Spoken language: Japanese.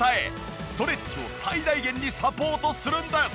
ストレッチを最大限にサポートするんです。